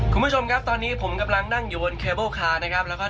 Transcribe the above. คุณผู้ชมครับตอนนี้ผมกำลังนั่งอยู่บนเคเบิลคาร์นะครับแล้วก็